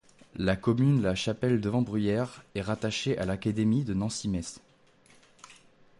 La commune La Chapelle-devant-Bruyères est rattachée à l'Académie de Nancy-Metz.